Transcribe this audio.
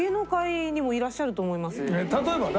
例えば誰？